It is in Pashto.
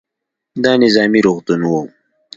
دا نظامي روغتون و.